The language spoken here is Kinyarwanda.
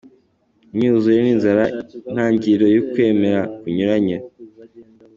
Imyuzure n’ inzara, intangiriro y’ukwemera kunyuranye.